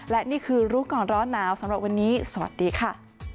และนี่คือรู้ก่อนร้อนหนาวสำหรับวันนี้สวัสดีค่ะ